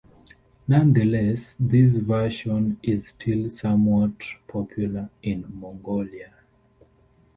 Nonetheless, this version is still somewhat popular in Mongolia.